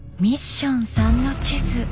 ミッション３の地図。